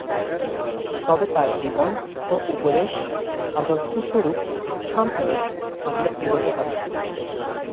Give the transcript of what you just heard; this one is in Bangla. তবে তাঁর জীবন ও উপদেশ আদর্শ-স্বরূপ সামনে রেখে আমরা এগোতে পারি।